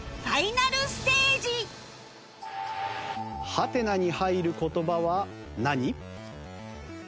ハテナに入る言葉は何？